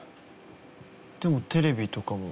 でもテレビとかも。